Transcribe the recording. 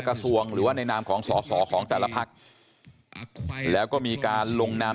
กระทรวงหรือว่าในนามของสอสอของแต่ละพักแล้วก็มีการลงนาม